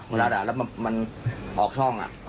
เวลาละครับแล้วมันออกช่องอะ